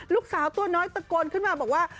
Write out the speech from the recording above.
ลูกสาวตัวน้อยตะโกนขึ้นมาบอกว่า